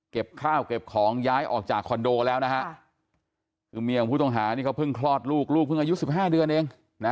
ข้าวเก็บของย้ายออกจากคอนโดแล้วนะฮะคือเมียของผู้ต้องหานี่เขาเพิ่งคลอดลูกลูกเพิ่งอายุ๑๕เดือนเอง